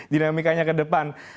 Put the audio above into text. dinamikanya ke depan